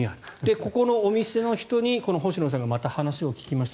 ここのお店の人に星野さんが話を聞きました。